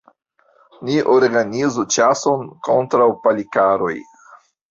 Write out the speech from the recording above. Ni organizu ĉason kontraŭ Palikaroj!